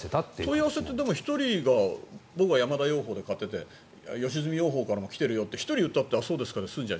問い合わせって１人が僕が山田養蜂場で買っていて良純養蜂からも来てるよって１人が言ったってああ、そうですかで済んじゃう。